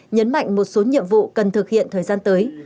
nhấn mạnh một số nhiệm vụ cần thực hiện thời gian tới